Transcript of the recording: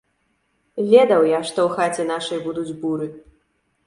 Ведаў я, што ў хаце нашай будуць буры.